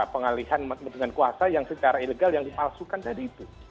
pengalihan kuasa yang secara ilegal yang dipalsukan tadi itu